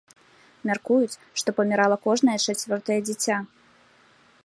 Мяркуюць, што памірала кожнае чацвёртае дзіця.